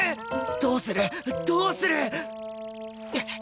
どうする？どうする！？